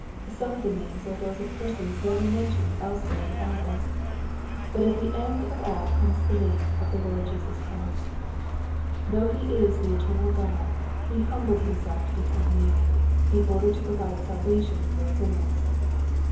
Some of the names are those of per sons never mentioned elsewhere in the Bible. But at the end of aU comes the name of the Lord Jesus Christ. Though He is the eternal Grod, He humbled Himself to become man, in order to provide salvation for sinners.